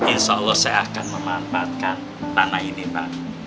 insya allah saya akan memanfaatkan tanah ini pak